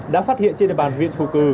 đã phát hiện trên đề bàn huyện phù cư